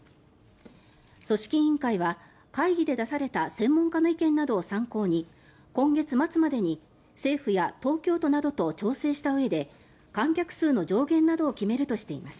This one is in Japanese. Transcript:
組織委員会は会議で出された専門家の意見などを参考に今月末までに政府や東京都などと調整したうえで観客数の上限などを決めるとしています。